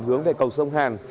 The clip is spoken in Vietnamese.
hướng về cầu sông hàn